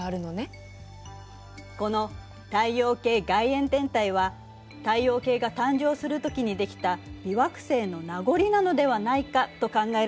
この太陽系外縁天体は太陽系が誕生するときにできた微惑星の名残なのではないかと考えられているのよ。